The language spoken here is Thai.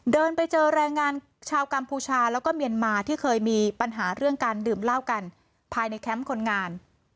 เดินไปเจอแรงงานชาวกัมพูชาแล้วก็เมียนมาที่เคยมีปัญหาเรื่องการดื่มเหล้ากันภายในแคมป์คนงาน